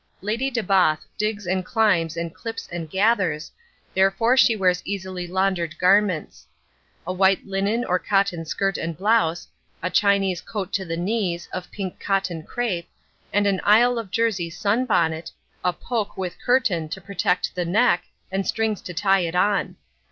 Lady de Bathe digs and climbs and clips and gathers, therefore she wears easily laundered garments; a white linen or cotton skirt and blouse, a Chinese coat to the knees, of pink cotton crêpe and an Isle of Jersey sun bonnet, a poke with curtain, to protect the neck and strings to tie it on.